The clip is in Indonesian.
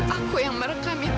aku yang merekam itu